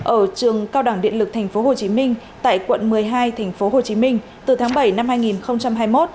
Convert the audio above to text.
ở trường cao đẳng điện lực tp hcm tại quận một mươi hai tp hcm từ tháng bảy năm hai nghìn hai mươi một